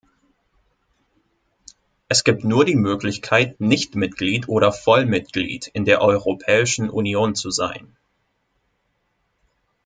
Es gibt nur die Möglichkeit, Nichtmitglied oder Vollmitglied in der Europäischen Union zu sein.